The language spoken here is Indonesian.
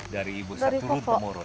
dari ibu setu turun pemurun